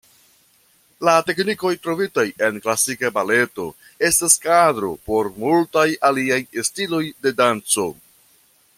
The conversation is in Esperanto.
La teknikoj trovitaj en klasika baleto estas kadro por multaj aliaj stiloj de danco.